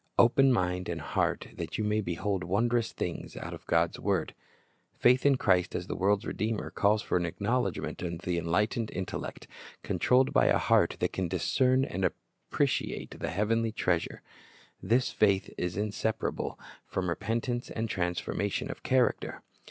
Open mind and heart, that you may behold wondrous things out of God's word. •Faith in Christ as the world's Redeemer calls for an acknowledgment of the enlightened intellect, controlled by a heart that can discern and appreciate the heavenly treasure. This faith is inseparable from repentance and transformation of character.